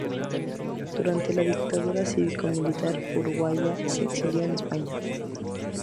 Durante la dictadura cívico-militar uruguaya se exilió en España.